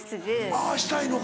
あぁしたいのか。